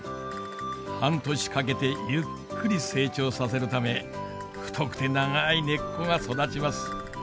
半年かけてゆっくり成長させるため太くて長い根っこが育ちます。